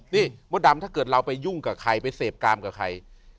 นี่โมดำถ้าเกิดเราไปยุ่งกับใคร